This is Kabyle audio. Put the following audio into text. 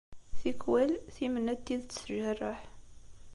Tikkwal, timenna n tidet tjerreḥ.